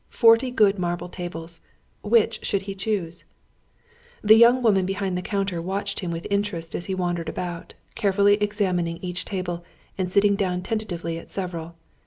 Forty good marble tables! Which should he choose? The young women behind the counter watched him with interest as he wandered about, carefully examining each table and sitting down tentatively at several.